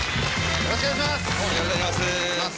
よろしくお願いします。